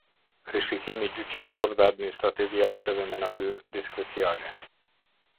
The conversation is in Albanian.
Rishikimi gjyqësor dhe administrativ i akteve me natyrë diskreciale.